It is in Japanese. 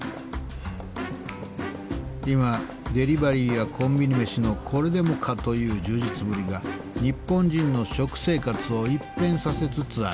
今デリバリーやコンビニ飯のこれでもかという充実ぶりが日本人の食生活を一変させつつある。